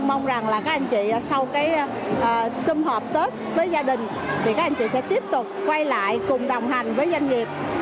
mong rằng là các anh chị sau cái xung họp tết với gia đình thì các anh chị sẽ tiếp tục quay lại cùng đồng hành với doanh nghiệp